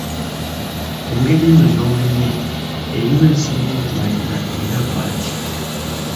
Ku ngeri ezo z’omenye, eriwa esinga okumatiza era lwaki?